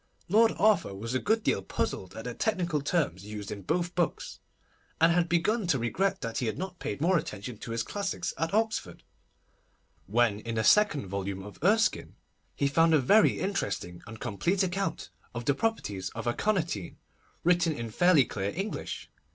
Lord Arthur was a good deal puzzled at the technical terms used in both books, and had begun to regret that he had not paid more attention to his classics at Oxford, when in the second volume of Erskine, he found a very interesting and complete account of the properties of aconitine, written in fairly clear English.